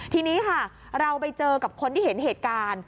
ทีนี้ค่ะเราไปเจอกับคนที่เห็นเหตุการณ์